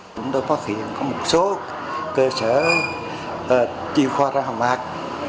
chúng tôi phát hiện có một số cơ sở tiêu khoa ra hàng mạc